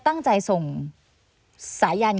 ตั้งใจส่งสายัน